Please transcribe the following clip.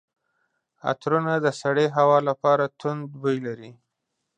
عطرونه د سړې هوا لپاره توند بوی لري.